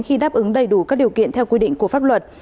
khi đáp ứng đầy đủ các điều kiện theo quy định của pháp luật